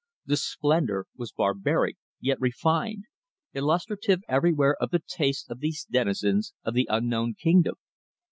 The splendour was barbaric yet refined, illustrative everywhere of the tastes of these denizens of the unknown kingdom.